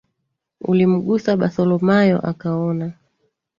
ulimgusa Batholomayo akaona.